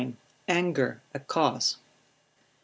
—Anger, a Cause.